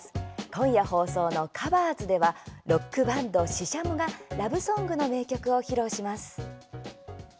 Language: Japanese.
今夜放送の「ＴｈｅＣｏｖｅｒｓ」ではロックバンドＳＨＩＳＨＡＭＯがラブソングの名曲を披露します。